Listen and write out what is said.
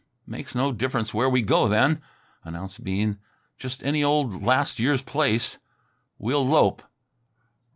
"Makes no difference where we go, then," announced Bean. "Just any little old last year's place. We'll 'lope."